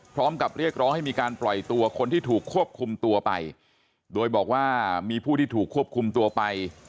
พร้อมกับเรียกร้องให้มีการปล่อยตัวคนที่ถูกควบคุมตัวไปโดยบอกว่ามีผู้ที่ถูกควบคุมตัวไป